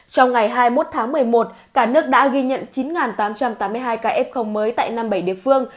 trong ngày hai mươi một tháng một mươi một cả nước đã ghi nhận chín tám trăm tám mươi hai ca f mới tại năm mươi bảy địa phương